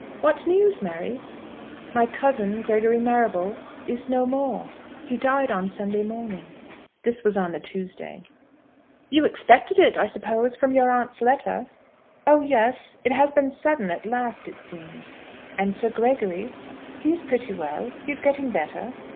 "What news, Mary?" "My cousin, Gregory Marrable, is no more; he died on Sunday morning." This was on the Tuesday. "You expected it, I suppose, from your aunt's letter?" "Oh, yes; it has been sudden at last, it seems." "And Sir Gregory?" "He is pretty well. He is getting better."